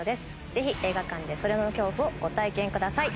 ぜひ映画館で”それ”の恐怖をご体験ください。